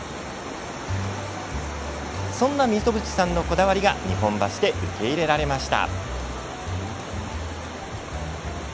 そんな溝渕さんのこだわりが日本橋で受け入れられました。